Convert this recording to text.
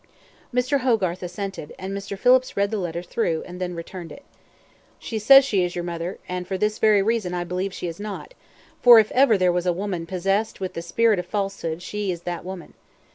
Mr. Hogarth assented, and Mr. Phillips read the letter through, and then returned it. "She says she is your mother, and for this very reason I believe she is not, for if ever there was a woman possessed with the spirit of falsehood, she is that woman.